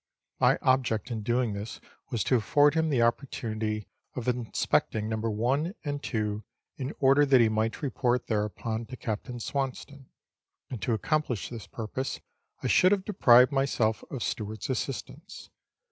My object in doing this was to afford him the opportunity of inspect ing No. 1 and 2, in order that he might report thereupon to Capt. Swanston ; and to accomplish this purpose, I should have deprived myself of Stewart's assistance.